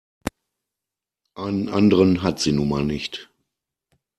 Einen anderen hat sie nun mal nicht.